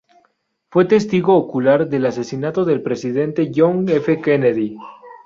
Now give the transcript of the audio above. Fue testigo ocular del asesinato del Presidente John F. Kennedy.